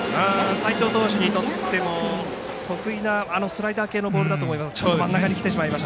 齋藤投手にとっても得意なスライダー系のボールだと思います。